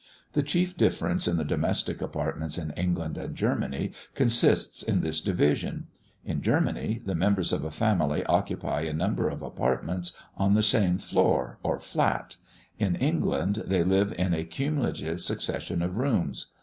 The chief difference in the domestic apartments in England and Germany consists in this division: in Germany, the members of a family occupy a number of apartments on the same floor or "flat"; in England, they live in a cumulative succession of rooms.